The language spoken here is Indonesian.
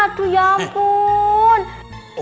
aduh ya boh